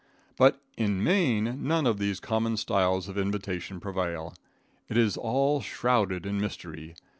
But in Maine none of these common styles of invitation prevail. It is all shrouded in mystery.